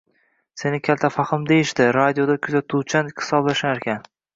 Seni kaltafahm deyishdi, radioda kuzatuvchan hisoblasharkan